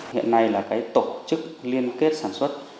hiện nay là tổ chức liên kết sản xuất